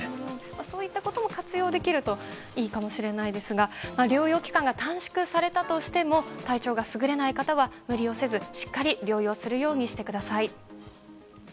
そういったことも活用できるといいかもしれないですが療養期間が短縮されたとしても体調がすぐれない方は無理をせず、しっかり療養するようにしてください。